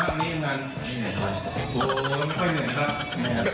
มันน่าไม่เหนื่อยไม่เหนื่อยครับ